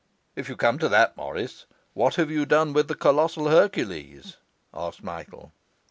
'If you come to that, Morris, what have you done with the colossal Hercules?' asked Michael.